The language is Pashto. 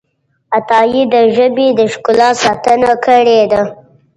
عطايي د ژبې د ښکلا ساتنه کړې ده.